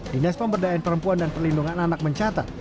dinas pemberdayaan perempuan dan perlindungan anak mencatat